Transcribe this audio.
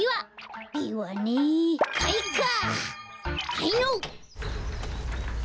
はいのっ！